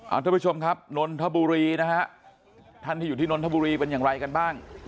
ท่านผู้ชมครับนนทบุรีนะฮะท่านที่อยู่ที่นนทบุรีเป็นอย่างไรกันบ้าง